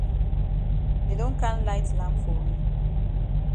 Dey don kam light lamp for we.